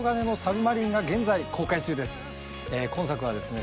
今作はですね